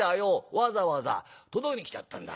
わざわざ届けに来てやったんだ。